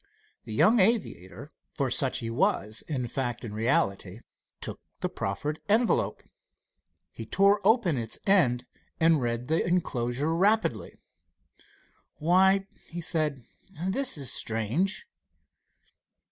The young aviator for such he was in fact and reality took the proffered envelope. He tore open its end and read the enclosure rapidly. "Why," he said, "this is strange."